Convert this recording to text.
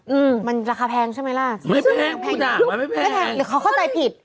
อืมมันราคาแพงใช่ไหมล่ะไม่ใช่แพงอ่ะมันไม่แพงไม่แพงหรือเขาเข้าใจผิด